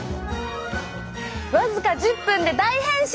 わずか１０分で大変身！